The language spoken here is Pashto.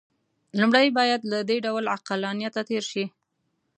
لومړی باید له دې ډول عقلانیته تېر شي.